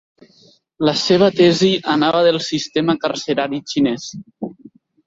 La seva tesi anava del sistema carcerari xinès.